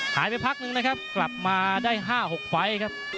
ไปพักนึงนะครับกลับมาได้๕๖ไฟล์ครับ